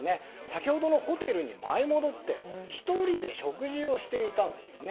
先ほどのホテルに舞い戻って１人で食事をしていたんです。